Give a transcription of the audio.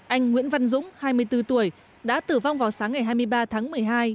anh nguyễn văn dũng hai mươi bốn tuổi đã tử vong vào sáng ngày hai mươi ba tháng một mươi hai